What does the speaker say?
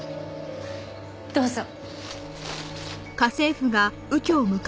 どうぞ。